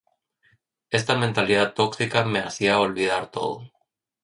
Esta mentalidad tóxica me hacía olvidar todo